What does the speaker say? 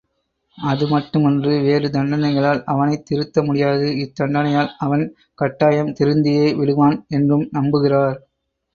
அது மட்டுமன்று வேறு தண்டனைகளால் அவனைத் திருத்த முடியாது இத்தண்டனையால் அவன் கட்டாயம் திருந்தியே விடுவான் என்றும் நம்புகிறார்.